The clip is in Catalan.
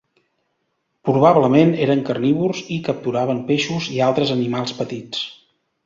Probablement eren carnívors i capturaven peixos i altres animals petits.